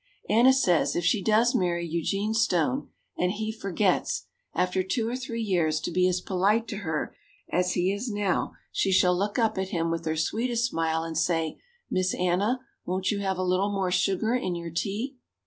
Anna says if she does marry Eugene Stone and he forgets, after two or three years to be as polite to her as he is now she shall look up at him with her sweetest smile and say, "Miss Anna, won't you have a little more sugar in your tea?"